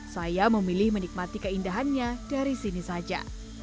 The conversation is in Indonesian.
saya memilih menikmati keindahannya dari sini saja